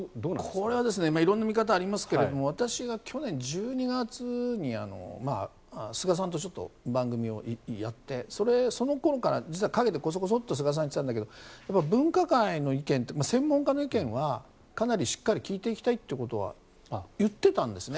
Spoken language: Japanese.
これは色んな見方がありますけれど私が去年１２月に菅さんとちょっと番組をやってその頃から実は陰で菅さんこそこそと言ってたんだけど分科会の意見、専門家の意見はかなりしっかり聞いていきたいということは言っていたんですね。